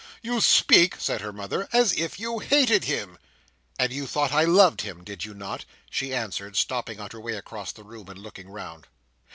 You speak," said her mother, "as if you hated him." "And you thought I loved him, did you not?" she answered, stopping on her way across the room, and looking round.